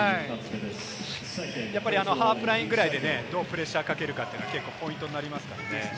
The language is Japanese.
やっぱりハーフラインくらいで、どうプレッシャーをかけるかがポイントになりますね。